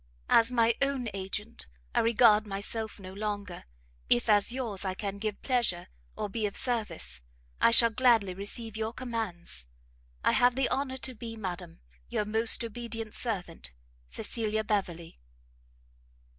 As my own Agent I regard myself no longer; if, as yours, I can give pleasure, or be of service, I shall gladly receive your commands. I have the honour to be, Madam, your most obedient servant, CECILIA BEVERLEY.